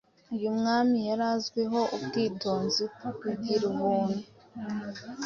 Uyu mwami yari azwiho ubwitonzi, kugira Ubuntu